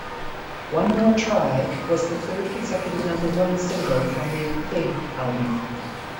"One More Try" was the third consecutive number one single from the "Faith" album.